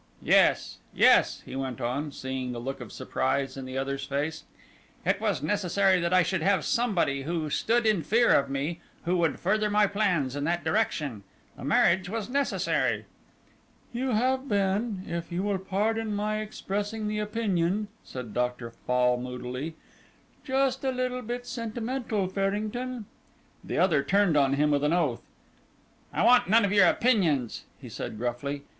Yes, yes," he went on, seeing the look of surprise in the other's face, "it was necessary that I should have somebody who stood in fear of me, who would further my plans in that direction. The marriage was necessary." "You have been, if you will pardon my expressing the opinion," said Dr. Fall moodily, "just a little bit sentimental, Farrington." The other turned on him with an oath. "I want none of your opinions," he said gruffly.